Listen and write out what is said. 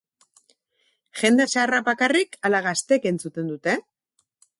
Jende zaharrak bakarrik ala gazteek entzuten dute?